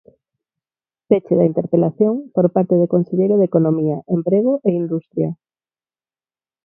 Peche da interpelación por parte do conselleiro de Economía, Emprego e Industria.